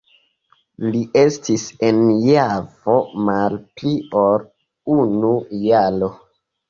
Li estis en Javo mal pli ol unu jaro.